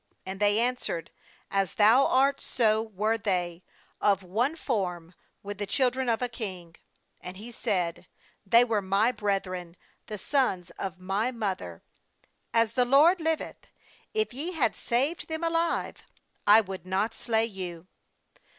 And they answered: 'As thou art, so were they; of one form with the children of a king.' 19And he said: 'They were my brethren, the sons of my mother; as the LORD liveth, if ye had saved them alive, I would not slay you.'